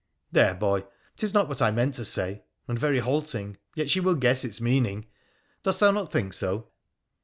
' There, boy ! 'tis not what I meant to say — and very halting, yet she will guess its meaning. Dost thou not think so?'